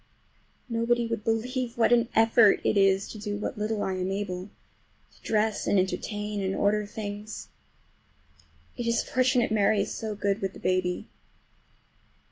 Nobody would believe what an effort it is to do what little I am able—to dress and entertain, and order things. It is fortunate Mary is so good with the baby.